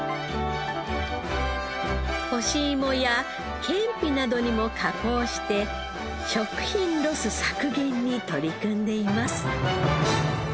干しいもやけんぴなどにも加工して食品ロス削減に取り組んでいます。